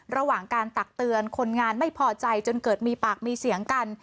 ระหว่างการตักเตือนคนงานไม่พอใจจนเกิดมีปากมีเสียงกัน